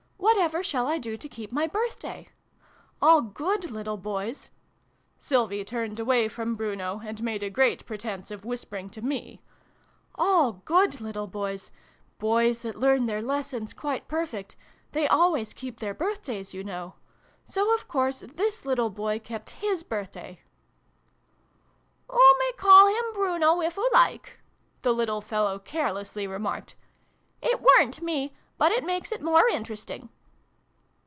Whatever shall I do to keep my Birthday ? All good little Boys " (Sylvie turned away from Bruno, and made a great pre tence of whispering to me] " all good little xiv] BRUNO'S PICNIC. 221 Boys Boys that learn their lessons quite perfect they always keep their birthdays, you know. So of course this little Boy kept his Birthday." " Oo may call him Bruno, if oo like," the little fellow carelessly remarked. " It weren't me, but it makes it more interesting."